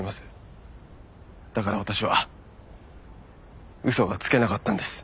だから私は嘘がつけなかったんです。